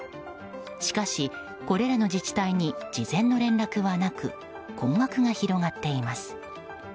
しかし、これらの自治体に事前の連絡はなく困惑が広がっています。